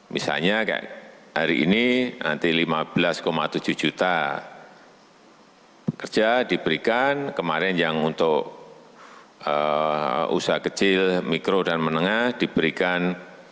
misalnya kayak hari ini nanti lima belas tujuh juta kerja diberikan kemarin yang untuk usaha kecil mikro dan menengah diberikan